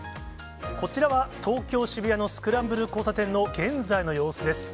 こちらは、東京・渋谷のスクランブル交差点の現在の様子です。